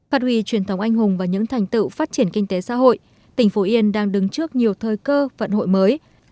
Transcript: phát huy truyền thống anh hùng và những thành tựu phát triển kinh tế xã hội tỉnh phú yên đang đứng trước nhiều thời cơ vận hội mới